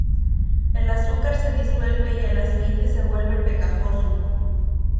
El azúcar se disuelve y el aceite se vuelve pegajoso.